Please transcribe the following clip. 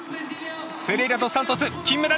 フェレイラドスサントス金メダル！